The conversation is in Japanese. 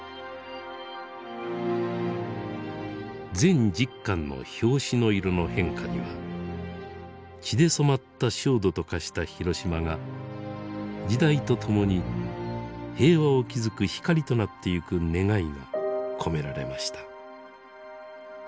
全１０巻の表紙の色の変化には血で染まった焦土と化した広島が時代とともに平和を築く光となってゆく願いが込められました。